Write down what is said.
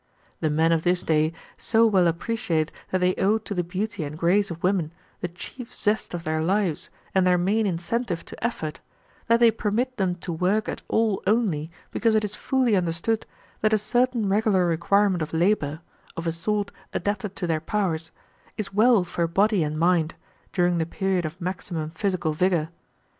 The men of this day so well appreciate that they owe to the beauty and grace of women the chief zest of their lives and their main incentive to effort, that they permit them to work at all only because it is fully understood that a certain regular requirement of labor, of a sort adapted to their powers, is well for body and mind, during the period of maximum physical vigor.